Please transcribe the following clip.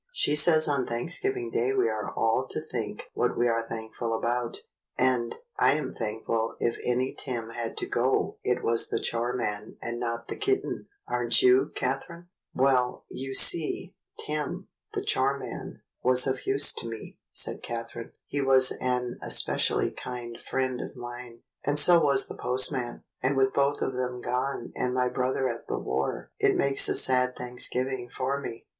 She says on Thanksgiving Day we are all to think what we are thankful about, and I am thankful if any Tim had to go it was the chore man and not the kitten, aren't you, Catherine?" "Well, you see, Tim, the chore man, was of more use to me," said Catherine. "He was an especially kind friend of mine, and so was the postman, and with both of them gone and my brother at the war it makes a sad Thanksgiving for me."